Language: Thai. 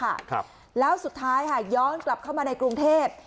ครับแล้วสุดท้ายค่ะย้อนกลับเข้ามาในกรุงเทพ